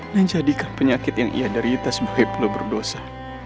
dan jadikan penyakit yang ia daritas bahwa perlu berdosa